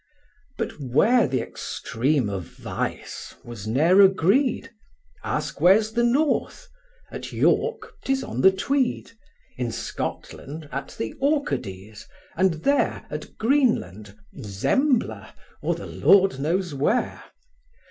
But where th' extreme of vice, was ne'er agreed: Ask where's the north? at York, 'tis on the Tweed; In Scotland, at the Orcades; and there, At Greenland, Zembla, or the Lord knows where.